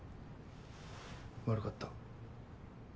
悪かった。